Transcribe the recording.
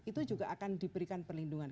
itu juga akan diberikan perlindungan